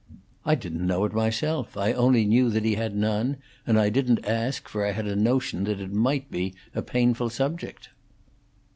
"I didn't know it myself. I only knew that he had none, and I didn't ask, for I had a notion that it might be a painful subject."